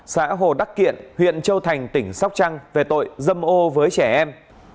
xã hồ đắc kiện huyện châu thành tỉnh sóc trăng về tội dâm ô với trẻ em